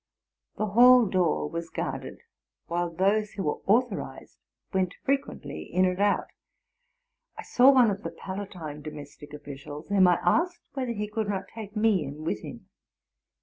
The hall door was guarded, while those who were authorized went frequently in and out. I saw one of the Palatine domestic officials, whom I asked whether he could not take me in with him.